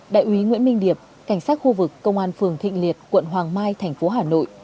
đại úy nguyễn minh điệp cảnh sát khu vực công an phường thịnh liệt quận hoàng mai thành phố hà nội